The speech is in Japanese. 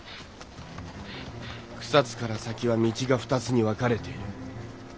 草津から先は道が２つに分かれている。